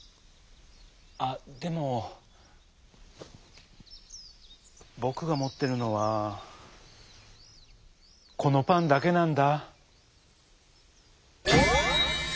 あっでもぼくがもってるのはこのパンだけなんだ」。